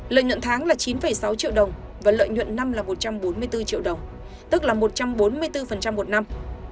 lợi nhuận tháng là chín sáu triệu đồng và lợi nhuận năm là một trăm bốn mươi bốn triệu đồng tức là một trăm bốn mươi bốn một năm